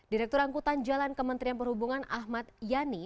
direktur angkutan jalan kementerian perhubungan ahmad yani